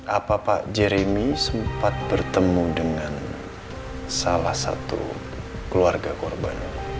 apa pak jeremy sempat bertemu dengan salah satu keluarga korban